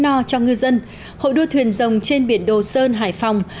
no cho ngư dân hội đua thuyền rồng trên biển đồ sơn hải phòng